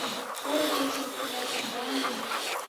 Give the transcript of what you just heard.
«Поро кече, князь, молан гын